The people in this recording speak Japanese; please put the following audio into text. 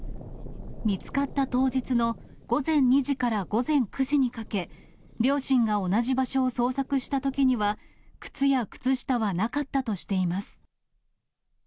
見つかった当日の午前２時から午前９時にかけ、両親が同じ場所を捜索したときには、靴や靴下はなかったとしています。